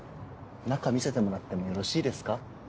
中見せてもらってもよろしいですか？